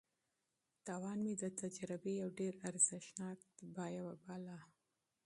تاوان مې د تجربې یو ډېر ارزښتناک قیمت وباله.